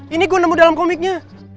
ini gue nemu dalam komiknya